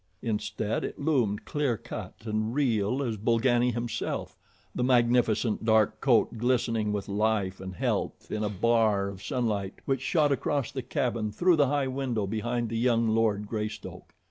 Instead it loomed clear cut and real as Bolgani himself, the magnificent dark coat glistening with life and health in a bar of sunlight which shot across the cabin through the high window behind the young Lord Greystoke.